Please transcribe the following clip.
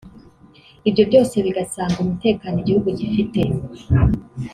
Ibyo byose bigasanga umutekano igihugu gifite